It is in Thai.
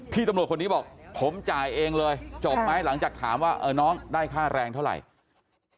พี่ตำรวจคนนี้บอกผมจ่ายเองเลยจบไหมหลังจากถามว่าน้องได้ค่าแรงเท่าไหร่